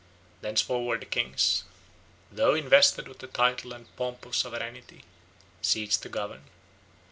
Thenceforward the kings, though invested with the title and pomp of sovereignty, ceased to govern.